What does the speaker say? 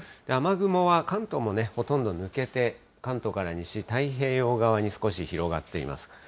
雨雲は関東もね、ほとんど抜けて、関東から西、太平洋側に少し広がっています。